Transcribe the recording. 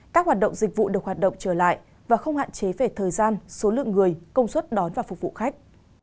các hoạt động dịch vụ được hoạt động trở lại và không hạn chế về thời gian số lượng người công suất đón và phục vụ khách